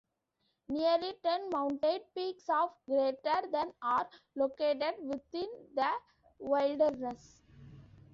Nearly ten mountain peaks of greater than are located within the wilderness.